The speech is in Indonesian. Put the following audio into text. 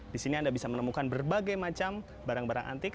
di sini anda bisa menemukan berbagai macam barang barang antik